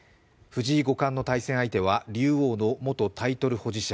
藤井五冠の対戦相手は竜王の元タイトル保持者